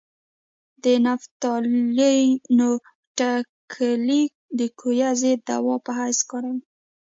د نفتالینو ټېکلې د کویه ضد دوا په حیث کاروي.